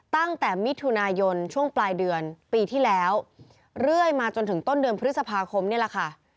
ตั้งแต่มิถุนายนช่วงปลายเดือนปีที่แล้วเรื่อยมาจนถึงต้นเดือนพฤษภาคมนี่แหละค่ะ